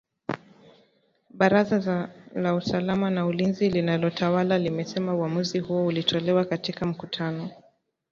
Baraza la usalama na ulinzi linalotawala limesema uamuzi huo ulitolewa katika mkutano